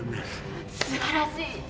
すばらしい！